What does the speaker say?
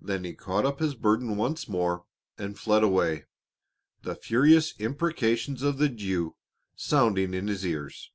Then he caught up his burden once more and fled away, the furious imprecations of the Jew sounding in his ears.